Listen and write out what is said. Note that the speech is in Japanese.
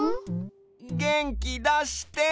げんきだして！